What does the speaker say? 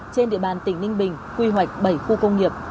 trên địa bàn tỉnh ninh bình quy hoạch bảy khu công nghiệp